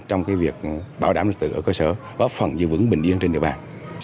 trong cái việc bảo đảm trật tự ở cơ sở và phần giữ vững bình yên trên địa bàn